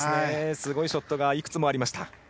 すごいショットがいくつもありました。